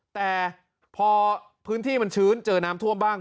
แต่พอพื้นที่มันชื้นเจอน้ำท่วมบ้าง